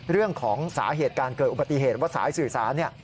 เรื่องของสาเหตุการเกิดอุบัติเหตุว่าสายสื่อสารเนี่ย